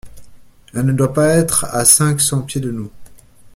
Elle ne doit pas être à cinq cents pieds de nous!